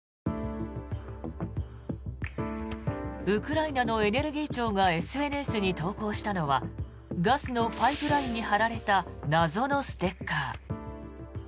ウクライナのエネルギー庁がＳＮＳに投稿したのはガスのパイプラインに貼られた謎のステッカー。